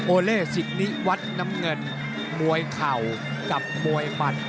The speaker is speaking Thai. เล่สิกนิวัฒน์น้ำเงินมวยเข่ากับมวยมัน